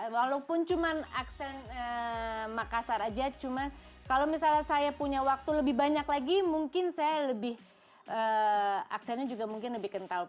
walaupun cuma aksen makassar aja cuma kalau misalnya saya punya waktu lebih banyak lagi mungkin saya lebih aksennya juga mungkin lebih kental